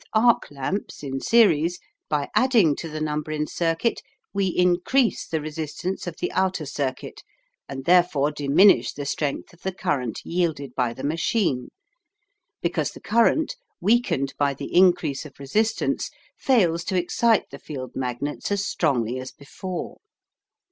With arc lamps in series, by adding to the number in circuit we increase the resistance of the outer circuit, and therefore diminish the strength of the current yielded by the machine, because the current, weakened by the increase of resistance, fails to excite the field magnets as strongly as before.